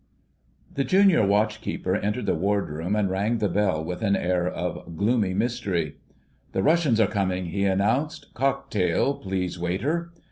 * The Junior Watch keeper entered the Wardroom and rang the bell with an air of gloomy mystery. "The Russians are coming," he announced. "Cocktail, please, waiter."